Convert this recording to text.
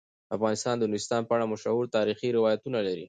افغانستان د نورستان په اړه مشهور تاریخی روایتونه لري.